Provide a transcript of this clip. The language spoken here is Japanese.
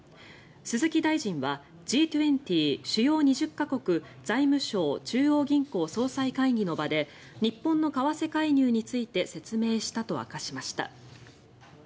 鈴木大臣はＧ２０＝主要２０か国財務相・中央銀行総裁会議の場で日本の為替介入について説明したと明かしました。